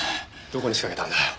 どこに仕掛けたんだよ？